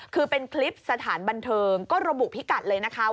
คือเป็นคลิปสถานบันเทิงก็ระบุพิกัดเลยนะคะ